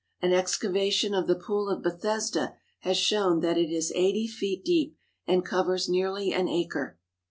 An excavation of the Pool of Bethesda has shown that it is eighty feet deep and covers nearly an acre.